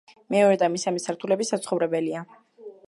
მეორე და მესამე სართულები საცხოვრებელია.